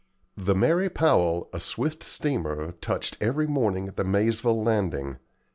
The "Mary Powell," a swift steamer, touched every morning at the Maizeville Landing.